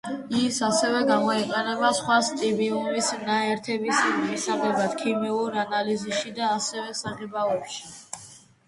ის ასევე გამოიყენება სხვა სტიბიუმის ნაერთების მისაღებად, ქიმიურ ანალიზში და ასევე საღებავებში.